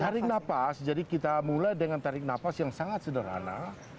ya tarik napas jadi kita mulai dengan tarik napas yang sangat sederhana